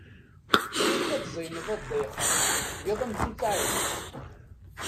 Ayakka tzeyneḍ a Ddayxa, tgiḍ amzun d taɛelǧet!